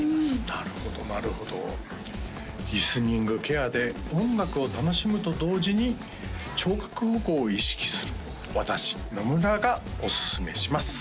なるほどなるほどリスニングケアで音楽を楽しむと同時に聴覚保護を意識する私野村がおすすめします